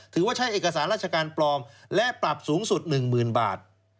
ใช้เอกสารราชการปลอมและปรับสูงสุด๑๐๐๐บาท